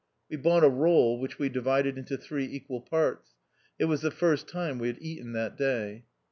We bought a roll, which we divided into three equal parts. It was the first time we had eaten that day.